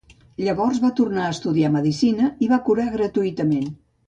Llavors va tornar a estudiar medicina i va curar gratuïtament.